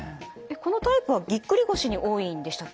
このタイプはぎっくり腰に多いんでしたっけ？